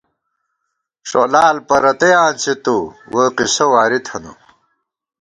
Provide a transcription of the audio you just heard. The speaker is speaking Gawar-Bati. ݭولال پرَتَئ آنڅِی تُو ، ووئی قصہ واری تھنہ